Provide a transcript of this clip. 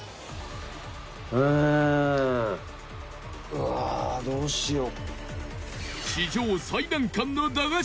うわあ、どうしよう。